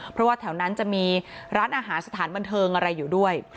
เพราะว่าแถวนั้นจะมีร้านอาหารสถานบันเทิงอะไรอยู่ด้วย